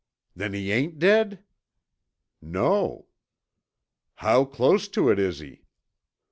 "Then he ain't dead?" "No." "How close to it is he?"